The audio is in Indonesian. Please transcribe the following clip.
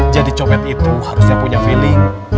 jadi copet itu harusnya punya feeling